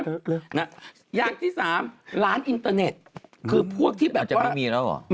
เรียกเลยนะอย่างที่๓ร้านอินเตอร์เน็ตคือพวกที่แบบว่าอาจจะไม่มีแล้วหรอ